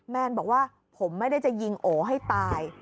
แนนบอกว่าผมไม่ได้จะยิงโอให้ตาย